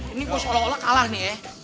ini kok seolah olah kalah nih ya